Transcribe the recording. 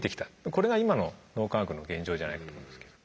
これが今の脳科学の現状じゃないかと思いますけど。